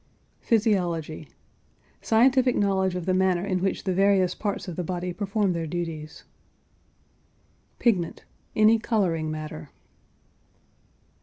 PHYSIOLOGY. Scientific knowledge of the manner in which the various parts of the body perform their duties. PIGMENT. Any coloring matter.